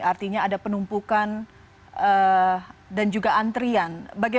artinya ada penumpukan dan juga antrian